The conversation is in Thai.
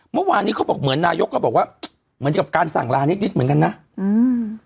เมื่อวานนี้เขาบอกเหมือนนายกก็บอกว่าเหมือนกับการสั่งลานิดนิดเหมือนกันนะอืม